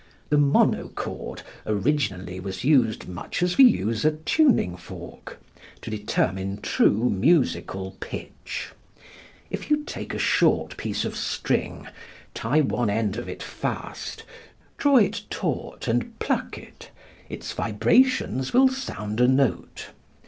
The monochord originally was used much as we use a tuning fork, to determine true musical pitch. If you take a short piece of string, tie one end of it fast, draw it taut and pluck it, its vibrations will sound a note.